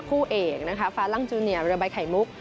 คู่เอกนะคะฟาลังจูเนียเรือใบไข่มุก